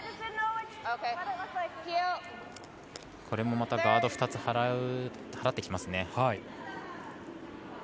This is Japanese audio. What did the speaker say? これもまたガード２つ払ってきますね。